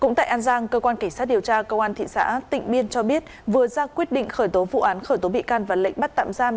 cũng tại an giang cơ quan cảnh sát điều tra công an thị xã tịnh biên cho biết vừa ra quyết định khởi tố vụ án khởi tố bị can và lệnh bắt tạm giam